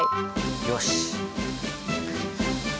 よし！